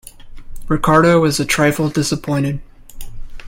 Ricardo was a trifle disappointed.